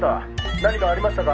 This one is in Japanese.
何かありましたか？